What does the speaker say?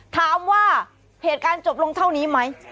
ถามว่าเหตุการณ์จบลงเท่านี้ไหม